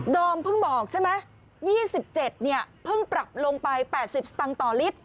ดอมเพิ่งบอกใช่ไหมยี่สิบเจ็ดเนี่ยเพิ่งปรับลงไปแปดสิบสตางค์ต่อลิตร